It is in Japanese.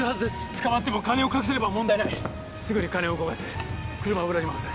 捕まっても金を隠せれば問題ないすぐに金を動かす車を裏に回せ